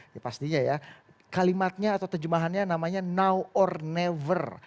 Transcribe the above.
ya pastinya ya kalimatnya atau terjemahannya namanya now or never